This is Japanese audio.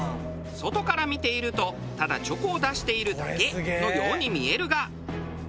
外から見ているとただチョコを出しているだけのように見えるが。